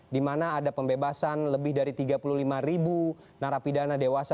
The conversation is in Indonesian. di mana ada pembebasan lebih dari tiga puluh lima ribu narapidana dewasa